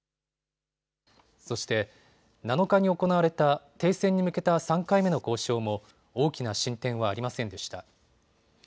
そして、７日に行われた停戦に向けた３回目の交渉も大きな進展はありませんでした。